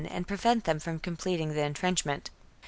and prevent them from completing the entrench ment.